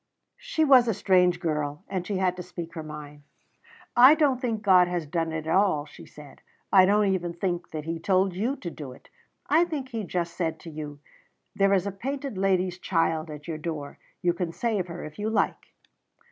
She was a strange girl, and she had to speak her mind. "I don't think God has done it all," she said. "I don't even think that He told you to do it. I think He just said to you, 'There is a painted lady's child at your door. You can save her if you like.'